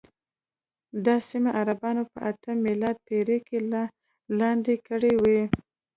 دا سیمې عربانو په اتمه میلادي پېړۍ کې لاندې کړې وې.